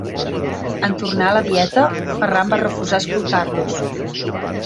En tornar a la dieta, Ferran va refusar escoltar-los.